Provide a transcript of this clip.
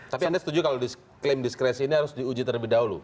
tapi anda setuju kalau klaim diskresi ini harus diuji terlebih dahulu